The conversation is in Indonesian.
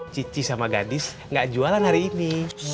cici sama gadis gak jualan hari ini